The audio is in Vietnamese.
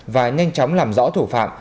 và nhanh chóng làm rõ thủ phạm